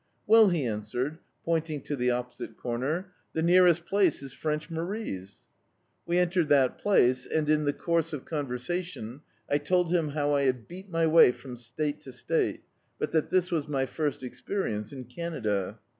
"Well," he answered, pointing to the opposite comer, "the nearest place is Frendi Marie's," We entered that place and, in the course of con versation, I told him how I had beat my way frran state to state, but that this was my first e^erience in Canada.